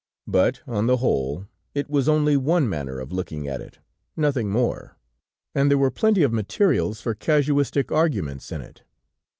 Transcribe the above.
But, on the whole, it was only one manner of looking at it, nothing more, and there were plenty of materials for casuistic arguments in it.